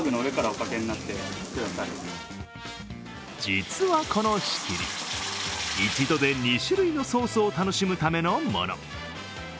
実は、この仕切り一度で２種類のソースを楽しむためのもの。